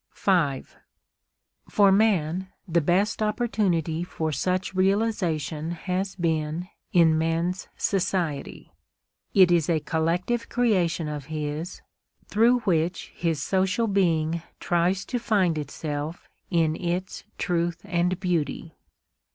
V For man, the best opportunity for such a realisation has been in men's Society. It is a collective creation of his, through which his social being tries to find itself in its truth and beauty.